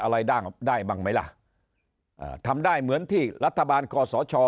อะไรด้านออกได้บ้างไหมล่ะทำได้เหมือนที่รัฐบาลกสช